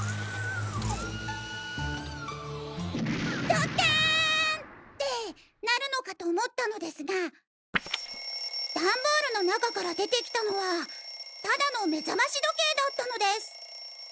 「どっかん！ってなるのかと思ったのですがダンボールの中から出てきたのはただの目覚まし時計だったのです」。